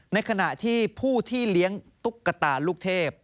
ในขณะที่ผู้ที่เลี้ยงตุ๊กตาลูกเทพ